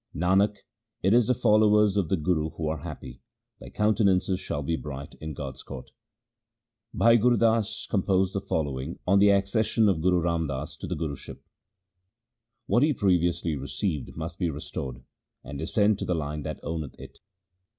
Nanak, it is the followers of the Guru who are happy ; their countenances shall be bright in God's court. 1 Bhai Gut Das composed the following on the accession of Guru Ram Das to the Guruship :— What he previously received must be restored, and descend to the line that owneth it.